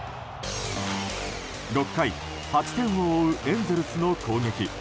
６回８点を追うエンゼルスの攻撃。